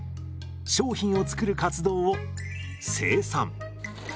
商品を作る活動を生産。